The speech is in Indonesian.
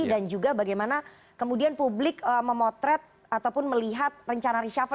dan juga bagaimana kemudian publik memotret ataupun melihat rencana risafel